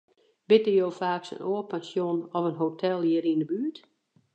Witte jo faaks in oar pensjon of in hotel hjir yn 'e buert?